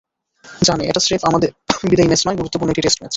জানে, এটা স্রেফ আমার বিদায়ী ম্যাচ নয়, গুরুত্বপূর্ণ একটি টেস্ট ম্যাচ।